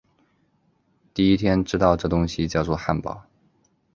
第一天知道这东西叫作汉堡